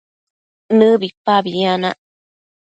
nëbipabi yanac